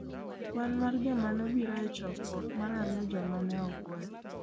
Kwan mar joma nobiro e chokruok .mar ariyo Joma ne Ogwel